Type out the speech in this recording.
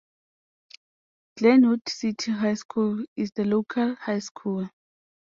Glenwood City High School is the local high school.